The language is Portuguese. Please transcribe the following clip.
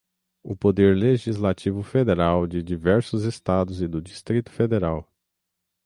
o poder legislativo federal, de diversos Estados e do Distrito Federal